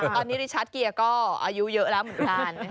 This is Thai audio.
ตอนนี้ริชัดเกียร์ก็อายุเยอะแล้วเหมือนกัน